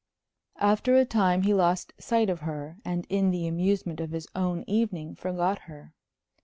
After a time he lost sight of her, and in the amusement of his own evening forgot her.